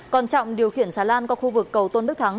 còn trọng điều khiển xà lan qua khu vực cầu tôn đức thắng